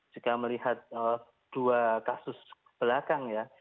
jika melihat dua kasus belakang ya